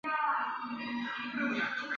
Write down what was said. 他们不会救灾